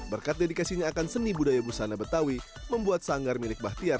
berkat dedikasinya akan seni budaya busana betawi membuat sanggar milik bahtiar